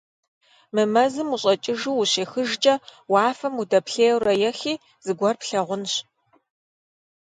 Мы мэзымкӀэ ущӀэкӀыжу ущехыжкӀэ, уафэм удэплъейуэрэ ехи, зыгуэр плъагъунщ.